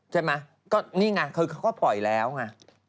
ใช่ไหมก็นี่ไงคือเขาก็ปล่อยแล้วไง